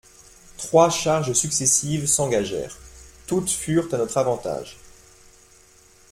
Trois charges successives s'engagèrent : toutes furent à notre avantage.